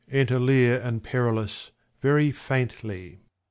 Enter Leir and Perillus very faintly.